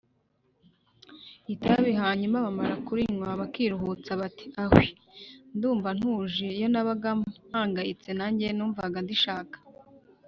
itabi hanyuma bamara kurinywa bakiruhutsa bati ahwii Ndumva ntuje Iyo nabaga mpangayitse nanjye numvaga ndishaka